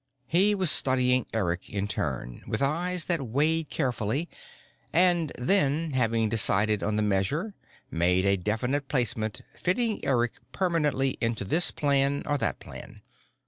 He was studying Eric in turn, with eyes that weighed carefully and then, having decided on the measure, made a definite placement, fitting Eric permanently into this plan or that plan.